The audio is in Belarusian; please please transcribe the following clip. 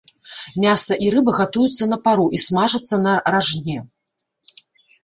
Мяса і рыба гатуюцца на пару і смажацца на ражне.